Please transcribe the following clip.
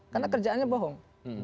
karena kerjaannya bohong